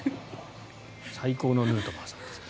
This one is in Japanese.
最高のヌートバーさんです。